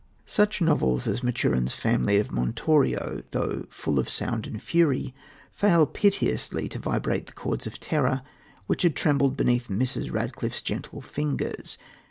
Such novels as Maturin's Family of Montorio, though "full of sound and fury," fail piteously to vibrate the chords of terror, which had trembled beneath Mrs. Radcliffe's gentle fingers.